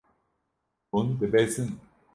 Hûn dibezin.